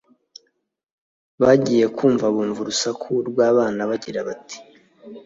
Bagiye kumva bumva urusaku rw’abana bagira bati